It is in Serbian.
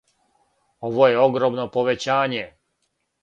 Ово је огромно повећање.